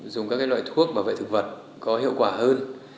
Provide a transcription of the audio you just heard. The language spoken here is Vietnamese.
dùng các loại thuốc bảo vệ thực vật có hiệu quả hơn